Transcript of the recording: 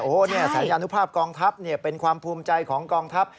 โอ้โหสัญญาณุภาพกองทัพเป็นความภูมิใจของกองทัพ